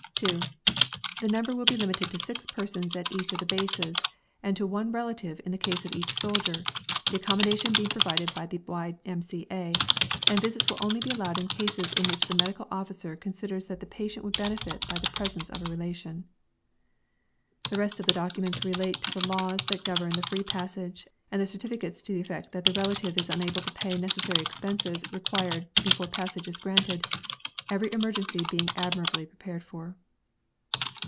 2. "The number will be limited to six persons at each of the Bases and to one relative in the case of each soldier, the accommodation being provided by the Y.M.C.A., and visits will only be allowed in cases in which the Medical Officer considers that the patient would benefit by the presence of a relation." The rest of the documents relate to the laws that govern the free passage, and the certificates to the effect that the relative is unable to pay necessary expenses required before passage is granted, every emergency being admirably prepared for.